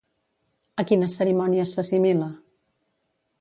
A quines cerimònies s'assimila?